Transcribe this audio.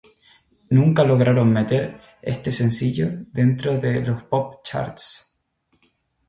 Nunca lograron meter este sencillo dentro de los Pop Charts.